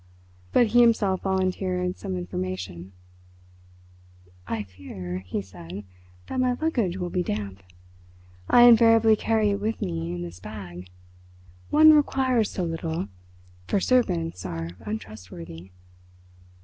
But he himself volunteered some information. "I fear," he said, "that my luggage will be damp. I invariably carry it with me in this bag—one requires so little—for servants are untrustworthy."